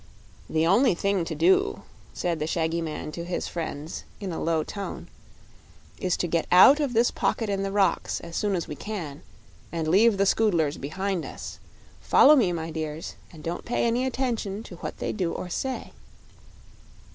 "The only thing to do," said the shaggy man to his friends, in a low tone, "is to get out of this pocket in the rocks as soon as we can, and leave the Scoodlers behind us. Follow me, my dears, and don't pay any attention to what they do or say."